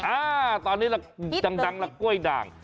อ่าตอนนี้ละดังละกล้วยด่าง